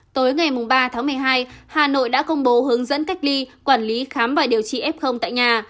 tối ngày ba tháng một mươi hai hà nội đã công bố hướng dẫn cách ly quản lý khám và điều trị f tại nhà